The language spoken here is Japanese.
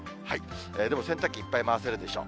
でも洗濯機、いっぱい回せるでしょう。